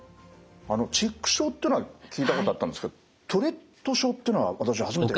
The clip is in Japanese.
チック症というのは聞いたことあったんですけどトゥレット症というのは私初めて聞きまして。